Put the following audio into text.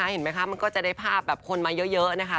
เห็นไหมคะมันก็จะได้ภาพคนมาเยอะ